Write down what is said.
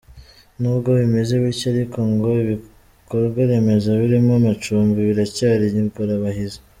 N’ubwo bimeze bityo ariko ngo ibikorwa remezo birimo amacumbi biracyari ingorabahizi.